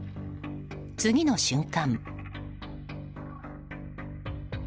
次の瞬間。